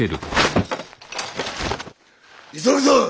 急ぐぞ！